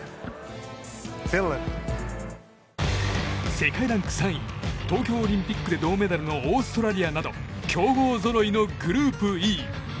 世界ランク３位東京オリンピックで銅メダルのオーストラリアなど強豪ぞろいのグループＥ。